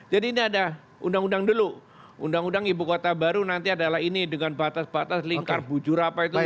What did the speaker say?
jadi ini ada undang undang dulu undang undang ibu kota baru nanti adalah ini dengan batas batas lingkar bujur apa itu